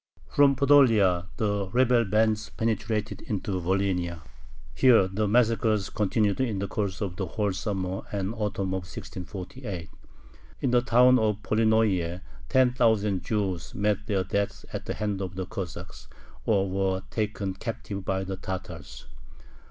From Podolia the rebel bands penetrated into Volhynia. Here the massacres continued in the course of the whole summer and autumn of 1648. In the town of Polonnoye ten thousand Jews met their death at the hands of the Cossacks, or were taken captive by the Tatars.